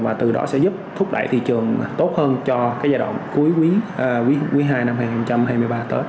và từ đó sẽ giúp thúc đẩy thị trường tốt hơn cho giai đoạn cuối quý hai năm hai nghìn hai mươi ba tới